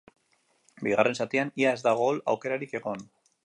Bigarren zatian ia ez da gol aukerarik egon.